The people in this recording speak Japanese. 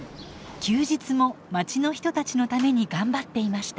休日もまちの人たちのために頑張っていました。